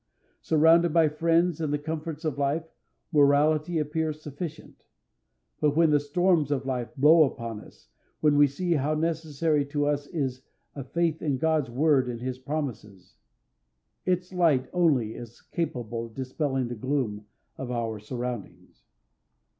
Surrounded by friends and the comforts of life, morality appears sufficient; but when the storms of life blow upon us, then we see how necessary to us is a faith in God's Word and his promises. Its light only is capable of dispelling the gloom of our surroundings.